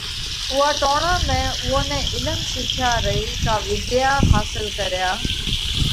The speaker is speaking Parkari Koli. اُوئا ٽوڻا ۾ اُوئون نئہ علِم شِيکيا رئي ڪا وۮيا حاصل ڪريا